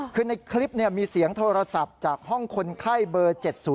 คือในคลิปมีเสียงโทรศัพท์จากห้องคนไข้เบอร์๗๐